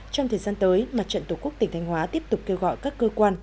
trong thời gian tới mặt trận tổ quốc tỉnh thanh hóa tiếp tục kêu gọi các cơ quan